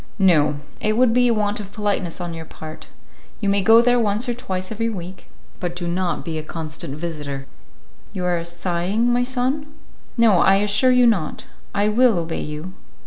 "No, it would be a want of politeness on your part. You may go there once or twice every week, but do not be a constant visitor. You are sighing, my son?" "No, I assure you not. I will obey you."